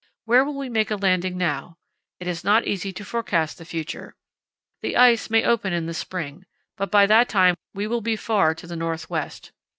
Where will we make a landing now? It is not easy to forecast the future. The ice may open in the spring, but by that time we will be far to the north west.